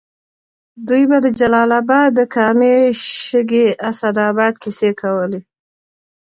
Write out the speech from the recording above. دوی به د جلال اباد د کامې، شګۍ، اسداباد کیسې کولې.